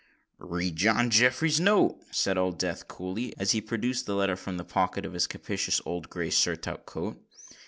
"Read John Jeffreys' note," said Old Death coolly, as he produced the letter from the pocket of his capacious old grey surtout coat.